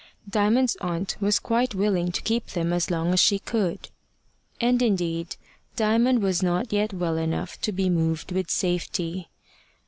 Diamond's aunt was quite willing to keep them as long as she could. And indeed Diamond was not yet well enough to be moved with safety.